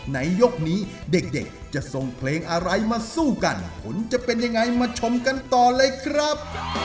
ในยกนี้เด็กจะส่งเพลงอะไรมาสู้กันผลจะเป็นยังไงมาชมกันต่อเลยครับ